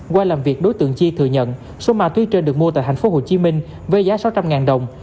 qua làm việc đối tượng chi thừa nhận số ma túy trên được mua tại tp hcm với giá sáu trăm linh đồng